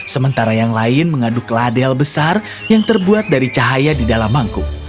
sementara yang lain mengaduk ladel besar yang terbuat dari cahaya di dalam mangkuk